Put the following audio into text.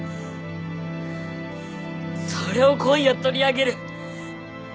それを今夜取り上げる。